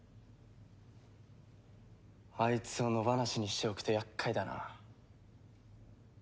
あいつを野放しにしておくと厄介だな。